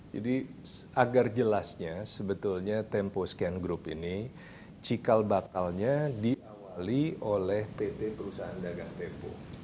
jadi agar jelasnya sebetulnya temposcan group ini cikal bakalnya diawali oleh pt perusahaan dagang tempo